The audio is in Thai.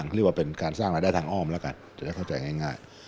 เรียกว่าเป็นการสร้างรายได้ทางอ้อมแล้วกันจะได้เข้าใจง่าย